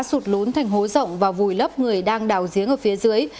đất đá đã sụt lún thành hố rộng và vùi lấp người đang đảo giếng ở phía dưới